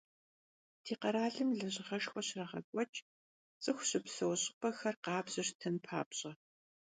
Ди къэралым лэжьыгъэшхуэ щрагъэкӀуэкӀ, цӀыху щыпсэу щӀыпӀэхэр къабзэу щытын папщӀэ.